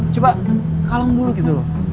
coba kalung dulu gitu loh